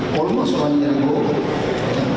polu masukannya di belanda